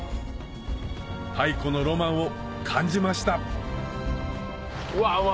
太古のロマンを感じましたわわ！